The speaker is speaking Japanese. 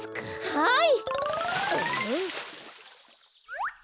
はい！